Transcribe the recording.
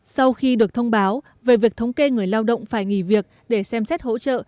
sau khi được thông báo về việc thống kê người lao động phải nghỉ việc để xem xét hỗ trợ